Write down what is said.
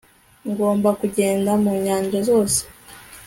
ngomba kugenda mu nyanja zose